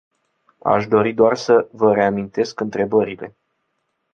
Aș dori doar să vă reamintesc întrebările.